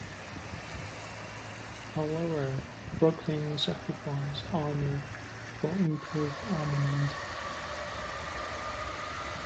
However, "Brooklyn" sacrificed armor for improved armament.